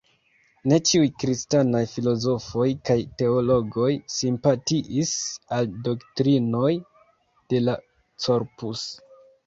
Ne ĉiuj kristanaj filozofoj kaj teologoj simpatiis al doktrinoj de la "Corpus".